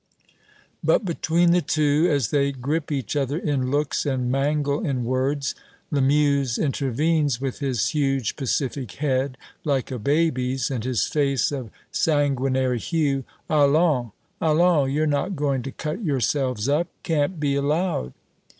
But between the two, as they grip each other in looks and mangle in words, Lamuse intervenes with his huge pacific head, like a baby's, and his face of sanguinary hue: "Allons, allons! You're not going to cut yourselves up! Can't be allowed!"